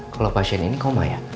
kalau pasien ini koma ya